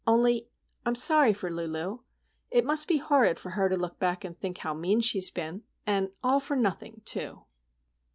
Only, I'm sorry for Lulu. It must be horrid for her to look back and think how mean she has been,—and all for nothing, too!"